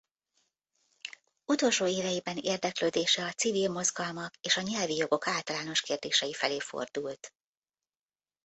Utolsó éveiben érdeklődése a civil mozgalmak és a nyelvi jogok általános kérdései felé fordult.